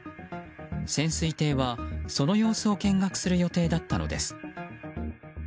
潜水艇は、その様子を見学する予定だったのです。